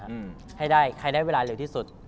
อืมให้ได้ใครได้เวลาเร็วที่สุด